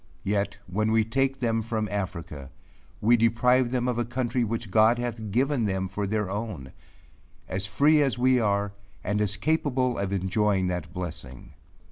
Yet when we take them from Africa, we deprive them of a country which God hath given them for their own; as free as we are, and as capable of enjoying that blessing.